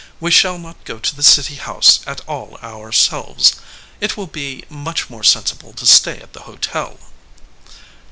We shall not go to the city house at all ourselves. It will be much more sensible to stay at the hotel."